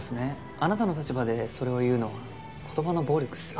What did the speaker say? あなたの立場でそれを言うのは言葉の暴力っすよ。